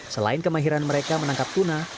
selain kemahiran mereka menangkap tuna